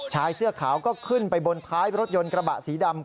ชายเสื้อขาวก็ขึ้นไปบนท้ายรถยนต์กระบะสีดำ